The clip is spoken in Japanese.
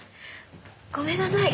ごめんなさい